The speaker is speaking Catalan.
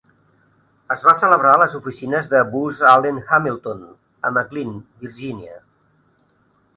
Es va celebrar a les oficines de Booz Allen Hamilton a McLean, Virginia.